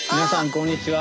こんにちは。